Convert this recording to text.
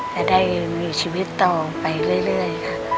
จะได้มีชีวิตต่อไปเรื่อยค่ะ